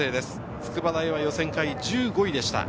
筑波大は予選会１５位でした。